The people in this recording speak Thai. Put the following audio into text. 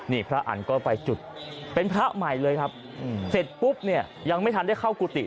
นี่พระอันก็ไปจุดเป็นพระใหม่เลยครับเสร็จปุ๊บเนี่ยยังไม่ทันได้เข้ากุฏิ